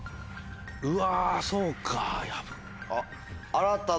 うわそうかやぶ。